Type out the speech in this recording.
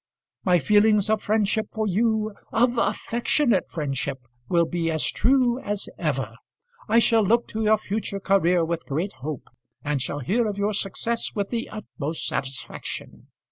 My feelings of friendship for you of affectionate friendship will be as true as ever. I shall look to your future career with great hope, and shall hear of your success with the utmost satisfaction.